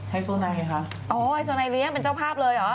ไฮโซนัสค่ะอ๋อไฮโซนัสเลี้ยงเป็นเจ้าภาพเลยเหรอ